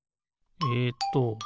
えっと